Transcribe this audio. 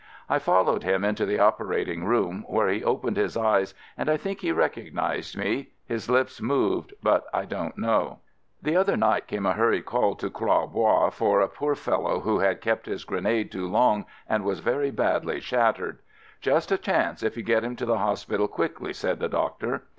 I followed him into the operating room, where he opened his eyes, and I think he recognized me — his lips moved — but I don't know. The other night came a hurried call to Clois Bois for a poor fellow who had kept his grenade too long and was very badly shattered. "Just a chance if you get him to the Hospital quickly" said the doctor.